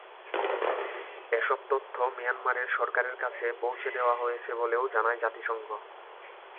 এসব তথ্য মিয়ানমারের সরকারের কাছে পৌঁছে দেওয়া হয়েছে বলেও জানায় জাতিসংঘ।